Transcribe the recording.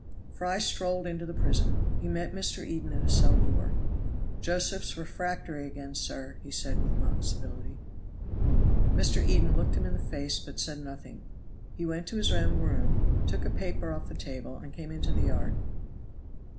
Fry strolled into the prison. He met Mr. Eden at a cell door. "Josephs refractory again, sir," said he, with mock civility. Mr. Eden looked him in the face, but said nothing. He went to his own room, took a paper off the table, and came into the yard.